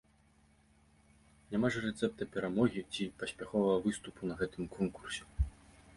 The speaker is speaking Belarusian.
Няма ж рэцэпта перамогі ці паспяховага выступу на гэтым конкурсе.